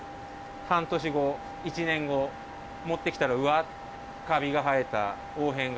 半年後、１年後、持ってきたら、うわって、かびが生えた、黄変が。